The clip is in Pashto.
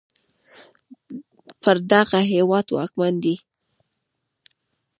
پر دغه هېواد واکمن دی